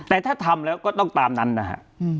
แต่ถ้าทำแล้วก็ต้องตามนั้นนะฮะ